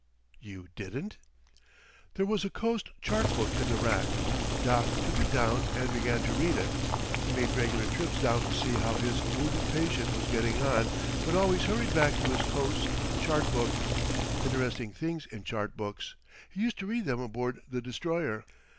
"You didn't?" There was a coast chart book in the rack. Doc took it down and began to read it. He made regular trips down to see how his wounded patient was getting on, but always hurried back to his coast chart book. Interesting things in chart books he used to read them aboard the destroyer.